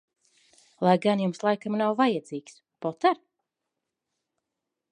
Lai gan Jums laikam nav vajadzīgs, Poter?